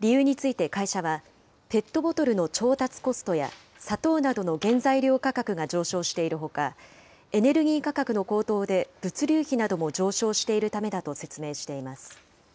理由について会社は、ペットボトルの調達コストや、砂糖などの原材料価格が上昇しているほか、エネルギー価格の高騰で物流費なども上昇しているためだと説明しています。